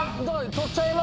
取っちゃいますね。